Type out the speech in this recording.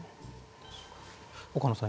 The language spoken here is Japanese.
岡野さん